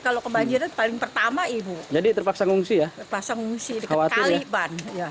kalau kebanjiran paling pertama ibu jadi terpaksa mengungsi ya pasang mengungsi dekat kaliban ya